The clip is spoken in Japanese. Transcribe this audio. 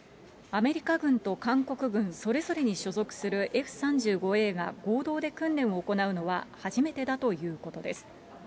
アメリカ軍と韓国軍それぞれに所属するＦ３５Ａが合同で訓練を行うのは初めてだということです。